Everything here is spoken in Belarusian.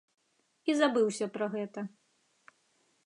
І забыўся пра гэта.